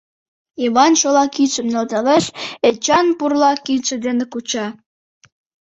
Йыван шола кидшым нӧлталеш — Эчан пурла кидше дене куча.